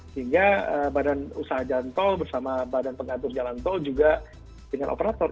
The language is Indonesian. sehingga badan usaha jalan tol bersama badan pengatur jalan tol juga dengan operator